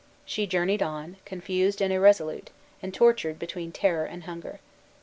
She journeyed on, confused and irresolute, and tortured between terror and hunger.